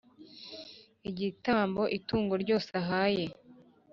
Igitambo itungo ryose ahaye